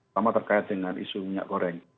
sama terkait dengan isu minyak goreng